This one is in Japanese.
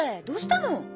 どうしたの？